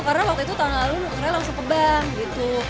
karena waktu itu tahun lalu orangnya langsung ke bank gitu